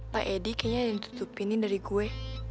pak edi kayaknya yang ditutupinin dari gue